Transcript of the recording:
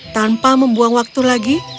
tanpa membuang waktu lagi